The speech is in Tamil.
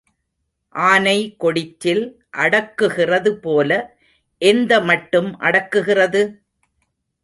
ஆனை கொடிற்றில் அடக்குகிறது போல எந்த மட்டும் அடக்குகிறது?